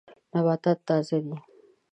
نباتات تازه دي.